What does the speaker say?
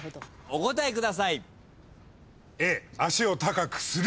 お答えください。